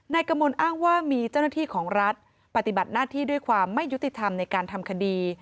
กมลอ้างว่ามีเจ้าหน้าที่ของรัฐปฏิบัติหน้าที่ด้วยความไม่ยุติธรรมในการทำคดี